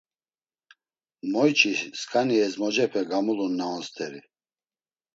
Moyçi sǩani ezmocepe gamulun na on st̆eri.